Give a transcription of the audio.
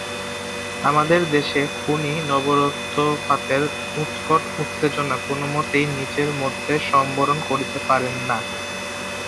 আমাদের দেশের খুনী নররক্তপাতের উৎকট উত্তেজনা কোনোমতেই নিজের মধ্যে সম্বরণ করিতে পারে না।